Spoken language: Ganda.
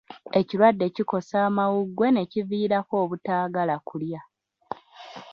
Ekirwadde kikosa amawuggwe ne kiviirako obutaagala kulya.